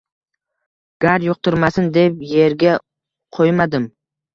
Gard yuqtirmasin deb erga qo`ymadim